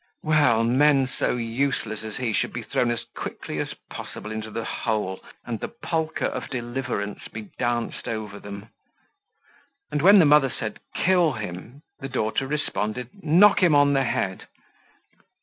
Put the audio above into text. Well! Men so useless as he should be thrown as quickly as possible into the hole and the polka of deliverance be danced over them. And when the mother said "Kill him!" the daughter responded "Knock him on the head!"